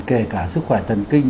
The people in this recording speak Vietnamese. kể cả sức khỏe tần kinh